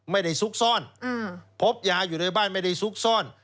ไม่ได้ซุกซ่อนอืมพบยาอยู่ในบ้านไม่ได้ซุกซ่อน